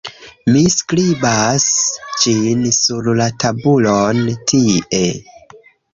mi skribas ĝin sur la tabulon tie.